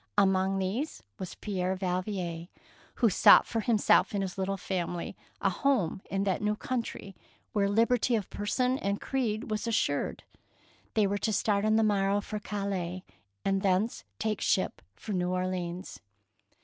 Among these was Pierre Valvier, who sought for himself and his little family a home in that new country where liberty of person and creed was as sured. They were to start on the morrow for Calais, and thence take ship for New Orleans.